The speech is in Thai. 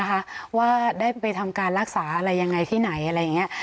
ว่าได้ไปทำการรักษาอะไรยังไงที่ไหนอะไรอย่างนี้